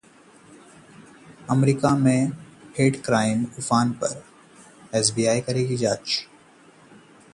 America में 'hate crime' उफान पर, एफबीआई करेगी जांच